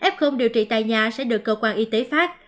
f điều trị tại nhà sẽ được cơ quan y tế phát